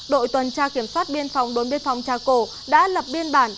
đội tuần tra kiểm soát biên phòng đồn biên phòng trà cổ đã lập biên bản